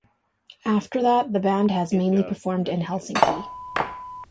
After that the band has mainly performed in Helsinki.